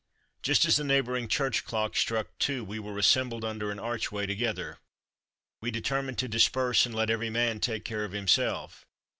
Just as the neighbouring church clock struck two we were assembled under an archway together. We determined to disperse, and let every man take care of himself.